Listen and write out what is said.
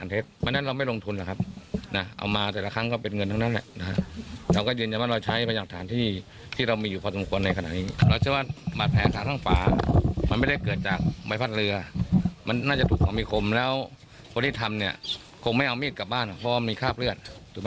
ถูกไม่เอามีดกลับบ้านเพราะว่ามีคราพเลือด